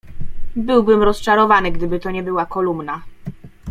"Byłbym rozczarowany, gdyby to nie była kolumna."